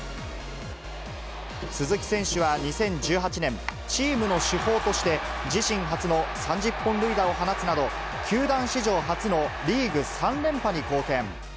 鈴木選手は２０１８年、チームの主砲として、自身初の３０本塁打を放つなど、球団史上初のリーグ３連覇に貢献。